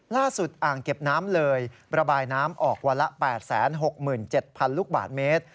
อ่างเก็บน้ำเลยระบายน้ำออกวันละ๘๖๗๐๐ลูกบาทเมตร